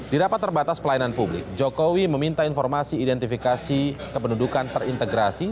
di rapat terbatas pelayanan publik jokowi meminta informasi identifikasi kependudukan terintegrasi